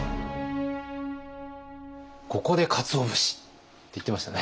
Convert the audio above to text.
ここでかつお節って言ってましたね。